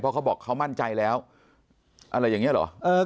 เขาบอกเขามั่นใจแล้วอะไรอย่างนี้เหรอ